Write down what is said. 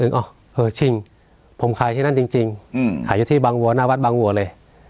เออจริงผมขายที่นั่นจริงขายอยู่ที่บางวัวหน้าวัดบางวัวเลย